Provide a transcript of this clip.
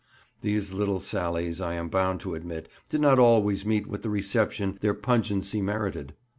These little sallies, I am bound to admit, did not always meet with the reception their pungency merited.